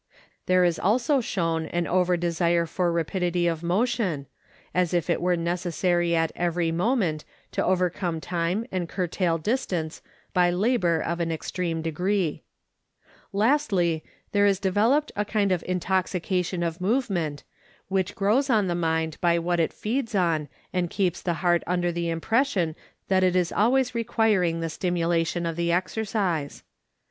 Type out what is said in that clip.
There is also shown an over desire for rapidity of motion, as if it were necessary at every moment to overcome time and curtail distance by labor of an extreme degree. Lastly, there 184 THE NORTH AMERICAN REVIEW. is developed a kind of intoxication of movement which grows on the mind by what it feeds on and keeps the heart under the im pression that it is always requiring the stimulation of the exercise.